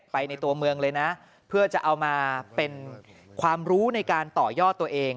ไปในตัวเมืองเลยนะเพื่อจะเอามาเป็นความรู้ในการต่อยอดตัวเอง